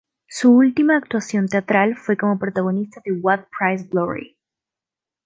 Su última actuación teatral fue como protagonista de "What Price Glory?